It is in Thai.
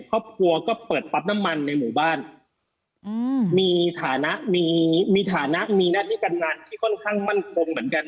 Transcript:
ครอบครัวก็เปิดปั๊มน้ำมันในหมู่บ้านอืมมีฐานะมีมีฐานะมีหน้าที่การงานที่ค่อนข้างมั่นคงเหมือนกัน